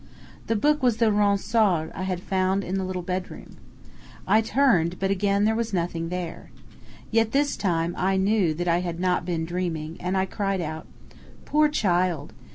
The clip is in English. The book was the Ronsard I had found in the little bedroom. I turned, but again there was nothing there. Yet this time I knew that I had not been dreaming, and I cried out: "Poor child!